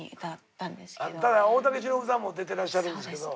ただ大竹しのぶさんも出てらっしゃるんですけど。